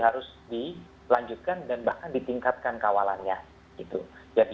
harus dilanjutkan dan bahkan ditingkatkan kawalannya